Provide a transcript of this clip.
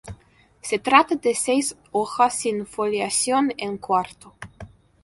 Se trata de seis hojas sin foliación en cuarto.